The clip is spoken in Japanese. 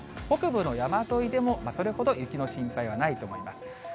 北部の山沿いでも、それほど雪の心配はないと思います。